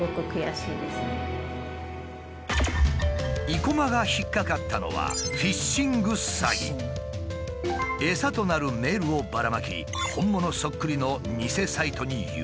生駒が引っかかったのはエサとなるメールをばらまき本物そっくりの偽サイトに誘導。